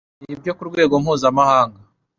n ibyo ku rwego mpuzamahanga